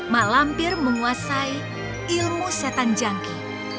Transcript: mak lampir menguasai ilmu setan jangki